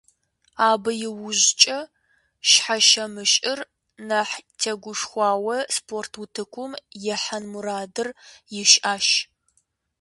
Абы иужькӏэ Щхьэщэмыщӏыр нэхъ тегушхуауэ спорт утыкум ихьэн мурадыр ищӏащ.